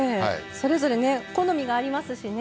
それぞれ好みがありますしね。